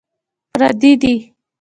پردي دي.